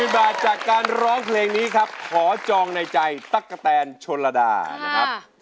๐บาทจากการร้องเพลงนี้ครับขอจองในใจตั๊กกะแตนชนระดานะครับ